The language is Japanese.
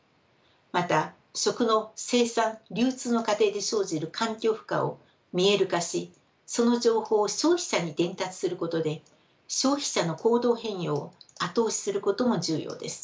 また食の生産流通の過程で生じる環境負荷を見える化しその情報を消費者に伝達することで消費者の行動変容を後押しすることも重要です。